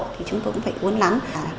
thì chúng tôi cũng phải uốn lắng